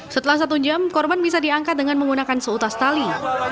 setelah satu jam korban bisa diangkat dengan menggunakan seutas tali